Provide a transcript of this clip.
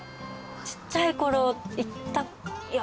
ちっちゃいころ行ったいや。